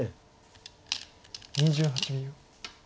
２８秒。